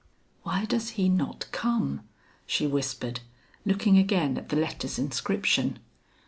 "Why does he not come?" she whispered, looking again at the letter's inscription.